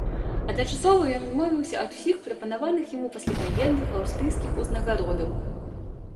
Адначасова ён адмовіўся ад усіх прапанаваных яму пасляваенных аўстрыйскіх узнагародаў.